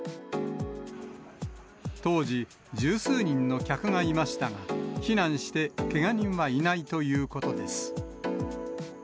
当時、十数人の客がいましたが、避難して、けが人はいないということです。